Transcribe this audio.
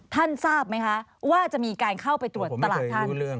ทราบไหมคะว่าจะมีการเข้าไปตรวจตลาดท่าน